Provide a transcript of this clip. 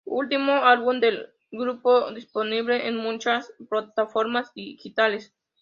Último álbum del grupo, disponible en muchas plataformas digitales.